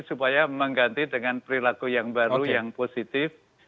supaya mengganti dengan perilaku yang baru yang positif